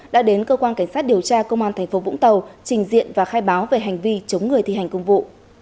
đã đến cơ quan cảnh sát điều tra công an tp vũng tàu trình diện và khai báo về hành vi chống người thi hành công vụ